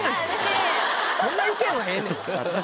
そんな意見はええねん。